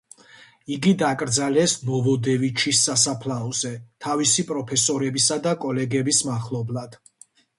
იგი დაკრძალეს ნოვოდევიჩის სასაფლაოზე, თავისი პროფესორებისა და კოლეგების მახლობლად.